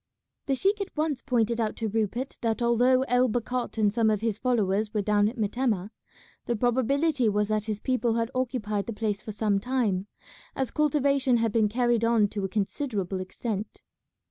The sheik at once pointed out to Rupert that although El Bakhat and some of his followers were down at Metemmeh, the probability was that his people had occupied the place for some time, as cultivation had been carried on to a considerable extent.